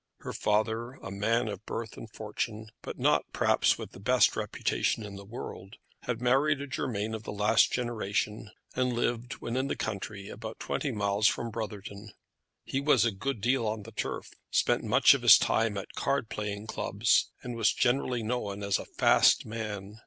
Her father, a man of birth and fortune, but not perhaps with the best reputation in the world, had married a Germain of the last generation, and lived, when in the country, about twenty miles from Brotherton. He was a good deal on the turf, spent much of his time at card playing clubs, and was generally known as a fast man.